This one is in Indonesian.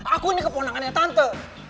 aku ini keponangannya tante